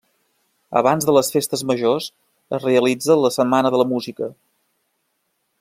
Abans de les festes majors es realitza la setmana de la música.